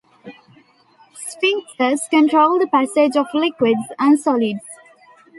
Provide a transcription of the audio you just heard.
Sphincters control the passage of liquids and solids.